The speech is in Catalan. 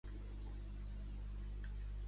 També va ser la directora de l'Institut Pylyp Orlyk.